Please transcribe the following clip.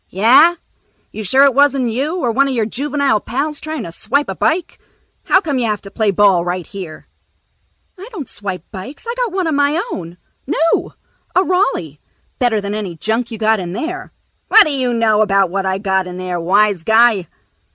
"Yeah? You sure it wasn't you or one of your juvenile pals trying to swipe a bike? How come you have to play ball right here?" "I don't swipe bikes. I got one of my own. New. A Raleigh. Better than any junk you got in there." "What d'you know about what I got in there, wise guy?"